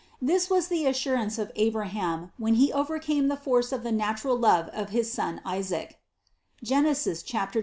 This was the assurance of Abraham, when he overcame the force of the natural love for his son Isaac (Gen. 22, 3).